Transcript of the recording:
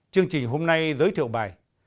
chương trình hôm nay giới thiệu bài